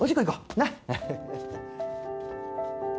なっ。